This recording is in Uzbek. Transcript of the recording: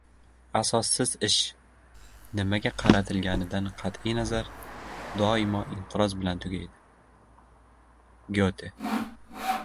Asossiz ish, nimaga qaratilganidan qat’i nazar, doimo inqiroz bilan tugaydi. Gyote